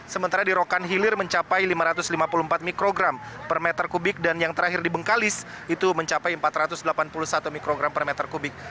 sementara di rokan hilir mencapai lima ratus lima puluh empat mikrogram per meter kubik dan yang terakhir di bengkalis itu mencapai empat ratus delapan puluh satu mikrogram per meter kubik